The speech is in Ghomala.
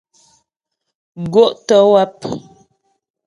Gó' tə́ wáp.